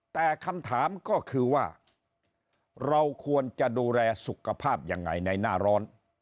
แต่คำถามก็คือว่าเราควรจะดูแลสุขภาพยังไงในหน้าร้อน